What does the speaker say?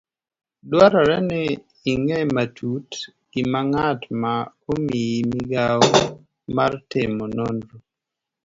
Dwarore ni ing'e matut gima ng'at ma omiyi migawo mar timo nonro